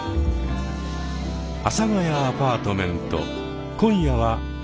「阿佐ヶ谷アパートメント」今夜はこの辺で。